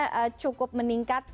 adopsinya cukup meningkat